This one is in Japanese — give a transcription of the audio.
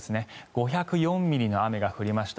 ５０４ミリの雨が降りました。